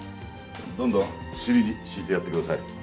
どんどん尻に敷いてやってください。